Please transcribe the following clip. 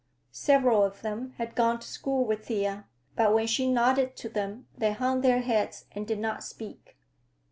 Several of them had gone to school with Thea, but when she nodded to them they hung their heads and did not speak.